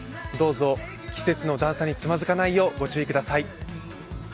どうぞ季節の段差につまずかないよう、お気をつけください。